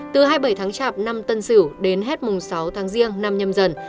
từ hai mươi bảy tháng chạp năm tân sửu đến hết mùng sáu tháng riêng năm nhâm dần